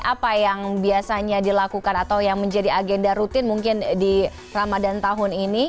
apa yang biasanya dilakukan atau yang menjadi agenda rutin mungkin di ramadan tahun ini